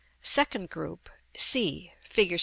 Second group (c, Fig.